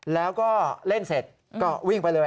แล้วก็เล่นเสร็จก็วิ่งไปเลย